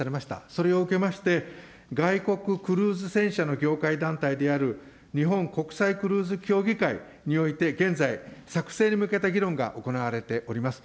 それを受けまして、外国クルーズ船社の業界団体である、日本国際クルーズ協議会において、現在、作成に向けた議論が行われております。